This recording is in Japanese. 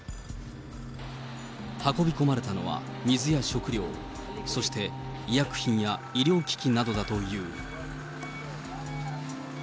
運び込まれたのは水や食料、そして医薬品や医療機器などだという。